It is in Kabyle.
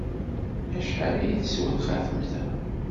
Acḥal ay teswa txatemt-a?